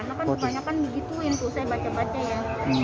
iya karena kan banyak kan begituin tuh saya baca baca ya